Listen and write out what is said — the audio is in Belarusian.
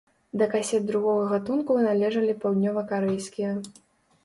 Да касет другога гатунку належалі паўднёвакарэйскія.